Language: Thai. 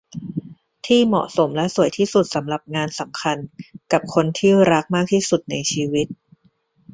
ที่เหมาะสมและสวยที่สุดสำหรับงานสำคัญกับคนที่รักมากที่สุดในชีวิต